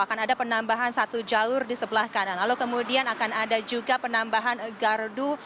akan ada penambahan satu jalur di sebelah kanan lalu kemudian akan ada juga penambahan gardu